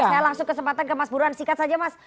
saya langsung kesempatan ke mas buruan sikat saja mas